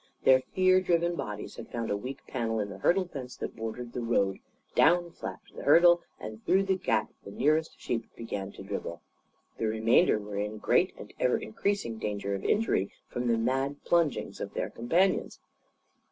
Their fear driven bodies had found a weak panel in the hurdle fence that bordered the road. Down flapped the hurdle, and through the gap the nearest sheep began to dribble. The remainder were in great and ever increasing danger of injury from the mad plungings of their companions.